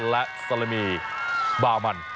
และซารมีบามัน